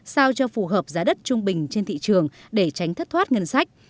sao cho phù hợp giá đất trung bình trên thị trường để tránh thất thoát ngân sách